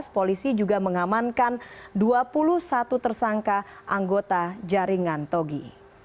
polisi juga mengamankan dua puluh satu tersangka anggota jaringan togi